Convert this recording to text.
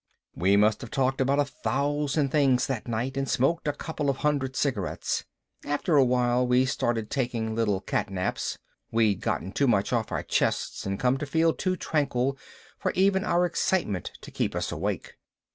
We must have talked about a thousand things that night and smoked a couple of hundred cigarettes. After a while we started taking little catnaps we'd gotten too much off our chests and come to feel too tranquil for even our excitement to keep us awake.